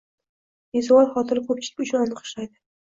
Vizual xotira ko‘pchilik uchun aniq ishlaydi.